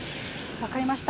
分かりました。